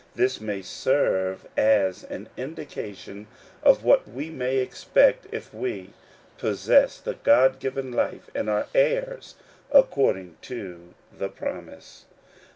This may serve us as an indication of what we may expect if we possess the God given life, and are heirs according to the promise.